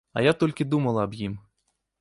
А я толькі думала аб ім.